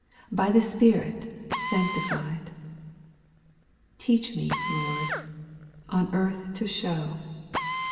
By the Spirit sanctified. Teach me, Lord, on earth to show.